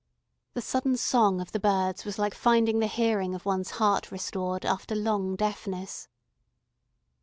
The sudden song of the birds was like finding the hearing of one's heart restored, after long deafness.